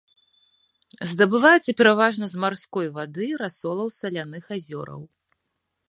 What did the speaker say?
Здабываецца пераважна з марской вады і расолаў саляных азёраў.